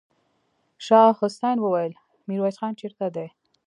شاه حسين وويل: ميرويس خان چېرته دی؟